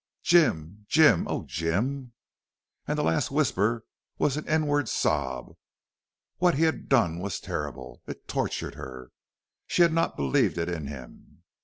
"Jim! Jim! Oh, Jim!" And the last whisper was an inward sob. What he had done was terrible. It tortured her. She had not believed it in him.